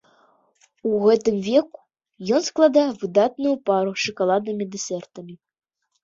У гэтым веку ён складае выдатную пару з шакаладнымі дэсертамі.